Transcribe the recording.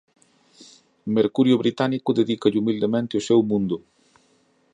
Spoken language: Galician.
Mercurio Británico dedícalle humildemente o seu «Mundo»